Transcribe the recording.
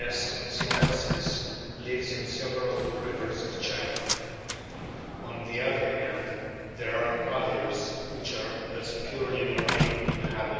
S. sinensis lives in several rivers of China. On the other hand, there are others which are as purely marine in habit.